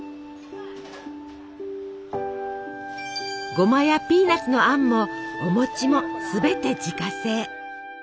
ごまやピーナツのあんもお餅もすべて自家製。